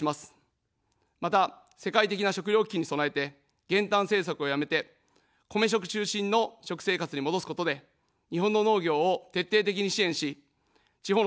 また、世界的な食糧危機に備えて、減反政策をやめて、米食中心の食生活に戻すことで日本の農業を徹底的に支援し、地方の再生に努めます。